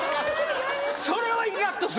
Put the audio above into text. それはイラッとするな。